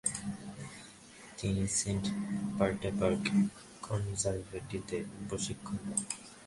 তিনি Saint Petersburg কনজারভেটরিতে প্রশিক্ষণের নেন।